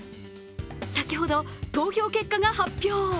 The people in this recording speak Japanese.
先ほど投票結果が発表。